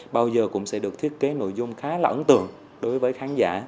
bao giờ cũng sẽ được thiết kế nội dung khá là ấn tượng đối với khán giả